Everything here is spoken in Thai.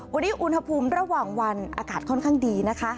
วันนี้อุณหภูมิระหว่างวันอากาศค่อนข้างดีนะคะ